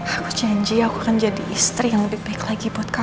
aku janji kau akan jadi istri yang lebih baik lagi berkendara